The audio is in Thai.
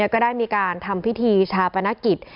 ก็ได้มีการทำพิธีชาปนกิจ